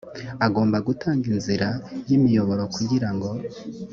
agomba gutanga inzira y’imiyoboro kugira ngo